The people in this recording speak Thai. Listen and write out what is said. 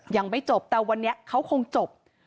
ยังไม่จบแต่วันนี้เขาคงจบ